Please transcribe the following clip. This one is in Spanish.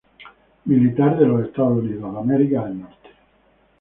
Militar de Estados Unidos.